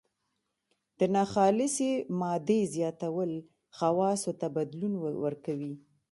د ناخالصې مادې زیاتول خواصو ته بدلون ورکوي.